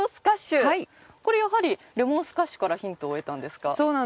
これ、やはりレモンスカッシュからヒントを得たんですか？